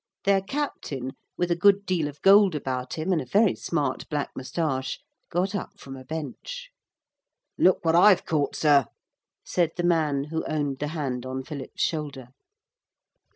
Their captain, with a good deal of gold about him and a very smart black moustache, got up from a bench. 'Look what I've caught, sir,' said the man who owned the hand on Philip's shoulder.